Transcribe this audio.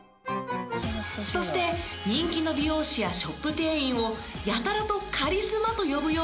そして人気の美容師やショップ店員をやたらとカリスマと呼ぶようになったこの年。